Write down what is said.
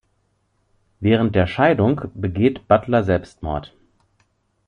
Während der Scheidung begeht Butler Selbstmord.